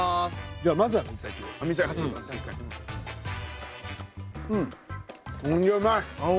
じゃあ、まずは水炊きを。